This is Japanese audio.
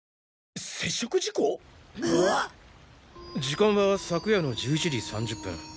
時間は昨夜の１１時３０分